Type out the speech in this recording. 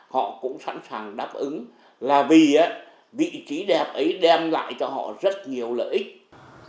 họ cũng sẵn sàng đáp ứng là vì vị trí đẹp ấy đem lại cho họ rất nhiều lợi ích